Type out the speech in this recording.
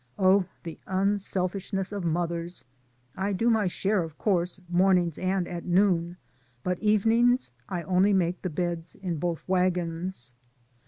Oh, the unselfishness of mothers. I do my share, of course, morn ings, and at noon, but evenings I only make the beds in both wagons.